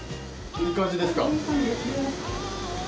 いい感じですね。